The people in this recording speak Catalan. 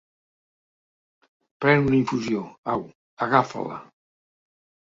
Pren una infusió, au, agafa-la.